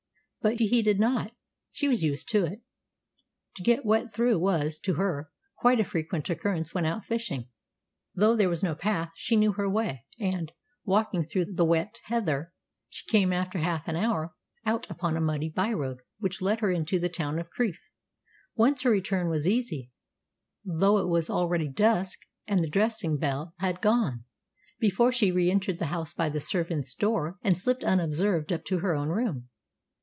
But she heeded not. She was used to it. To get wet through was, to her, quite a frequent occurrence when out fishing. Though there was no path, she knew her way; and, walking through the wet heather, she came after half an hour out upon a muddy byroad which led her into the town of Crieff, whence her return was easy; though it was already dusk, and the dressing bell had gone, before she re entered the house by the servants' door and slipped unobserved up to her own room.